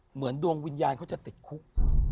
ดวงวิญญาณเขาจะติดคุก